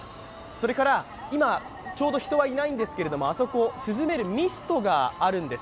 それから、今、ちょうど人はいないんですけれども涼めるミストがあるんです。